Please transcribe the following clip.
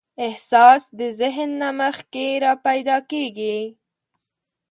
احساس د ذهن نه مخکې راپیدا کېږي.